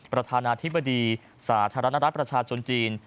ประธานาธิบดีสาธารณรัฐประชาชนจีน